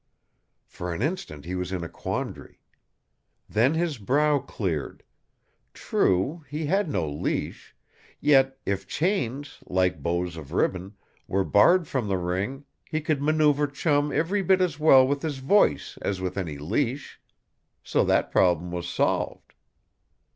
For an instant he was in a quandary. Then his brow cleared. True, he had no leash. Yet, if chains, like bows of ribbon, were barred from the ring, he could maneuver Chum every bit as well with his voice as with any leash. So that problem was solved.